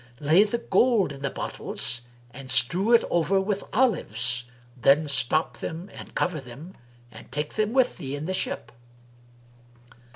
Lay the gold in the bottles and strew it over with olives: then stop them and cover them and take them with thee in the ship."